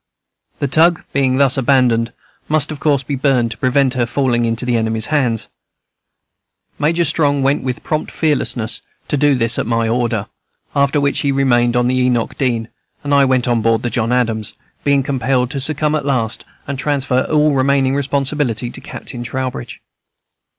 The tug, being thus abandoned, must of course be burned to prevent her falling into the enemy's hands. Major Strong went with prompt fearlessness to do this, at my order; after which he remained on the Enoch Dean, and I went on board the John Adams, being compelled to succumb at last, and transfer all remaining responsibility to Captain Trowbridge.